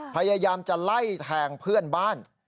พยายามจะไล่แทงเพื่อนบ้าน